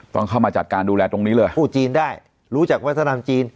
ต้องเข้ามาจัดการดูแลตรงนี้เลยพูดจีนได้รู้จักวัฒนธรรมจีน